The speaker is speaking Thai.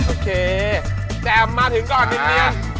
โอเคแจ้มมาถึงก่อนนิดนึง